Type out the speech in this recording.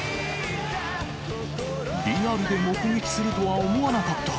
リアルで目撃するとは思わなかった。